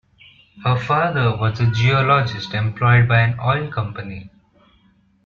Her father was a geologist employed by an oil company.